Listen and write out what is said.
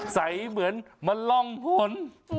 ใสเหมือนมันล่องผล